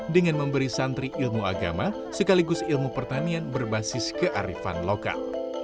dengan memberi santri ilmu agama sekaligus ilmu pertanian berbasis kearifan lokal